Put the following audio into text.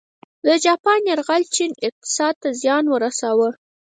د جاپان یرغل چین اقتصاد ته زیان ورساوه.